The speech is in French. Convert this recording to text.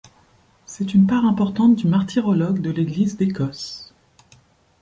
C’est une part importante du martyrologe de l’Église d’Écosse.